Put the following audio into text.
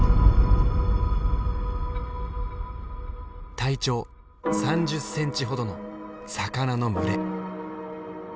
体長３０センチほどの魚の群れ。